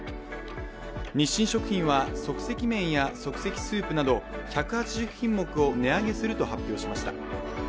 日清食品は、即席麺や即席スープなど１８０品目を値上げすると発表しました。